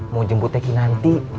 mau jemput teki nanti